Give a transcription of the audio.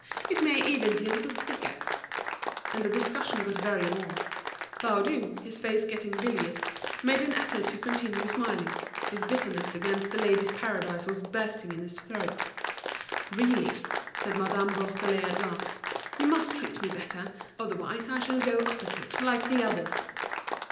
It may even be a little thicker." And the discussion got very warm. Baudu, his face getting bilious, made an effort to continue smiling. His bitterness against The Ladies' Paradise was bursting in his throat. "Really," said Madame Bourdelais at last, "you must treat me better, otherwise I shall go opposite, like the others."